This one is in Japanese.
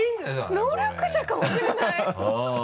能力者かもしれない。